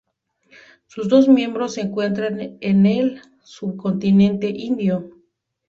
Sus dos miembros se encuentran en el subcontinente indio.